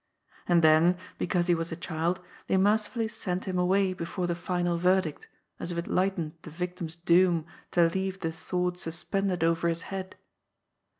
And then, because he was a child, they mercifully sent him away before the flnal yerdict, as if it lightened the yictim's doom to leaye the sword suspended over his head.